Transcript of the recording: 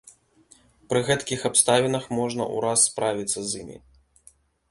Пры гэткіх абставінах можна ўраз справіцца з імі.